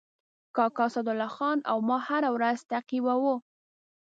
کاکا اسدالله خان او ما هره ورځ تعقیباوه.